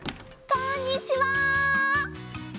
こんにちは。